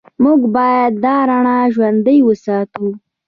موږ باید دا رڼا ژوندۍ وساتو.